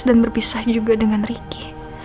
dan berpisah juga dengan riki